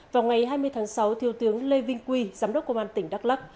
vào ngày hai mươi tháng sáu thiếu tướng lê vinh quy giám đốc công an tỉnh đắk lắc